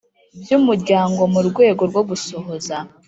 By umuryango mu rwego rwo gusohoza